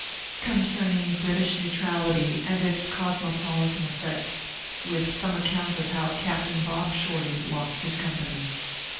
CONCERNING BRITISII NEUTRALITY AND ITS COSMOPOLITAN EFFECTS, WITH SOME ACCOUNT OF HOW CAPTAIN BOB SHORTY LOST HIS COMPANY.